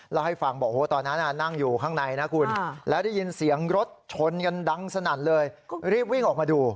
แล้วให้ฟังบอกตอนนั้นนั่งอยู่ข้างในนะคุณแล้วได้ยินเสียงรถชนกันดังสนั่นเลยรีบวิ่งออกมาดู